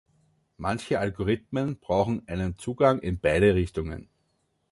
Manche Algorithmen brauchen einen Zugang in beide Richtungen.